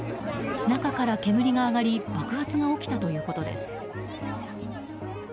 中から煙が上がり爆発が起きたということです。